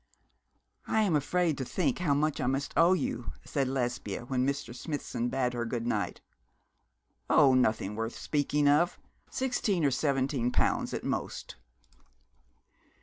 'I am afraid to think of how much I must owe you,' said Lesbia, when Mr. Smithson bade her good night. 'Oh, nothing worth speaking of sixteen or seventeen pounds, at most.'